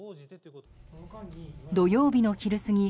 土曜日の昼過ぎ